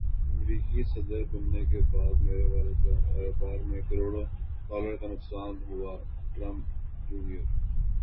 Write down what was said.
امریکی صدربننے کےبعد میرے والد کوکاروبار میں کروڑوں ڈالر کا نقصان ہوا ٹرمپ جونیئر